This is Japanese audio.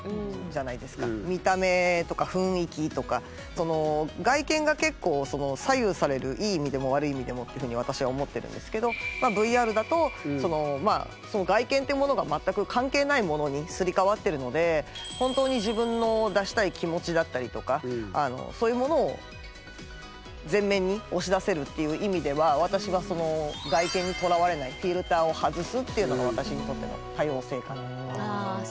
その外見が結構左右されるいい意味でも悪い意味でもっていうふうに私は思ってるんですけどＶＲだとその外見というものが全く関係ないものにすり替わってるので本当に自分の出したい気持ちだったりとかそういうものを前面に押し出せるっていう意味では私はその「外見にとらわれない」「フィルターを外す」っていうのが私にとっての多様性かなと思います。